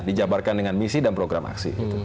dijabarkan dengan misi dan program aksi